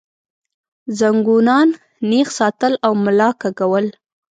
زنګونان نېغ ساتل او ملا کږول